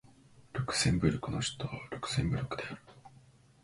ルクセンブルクの首都はルクセンブルクである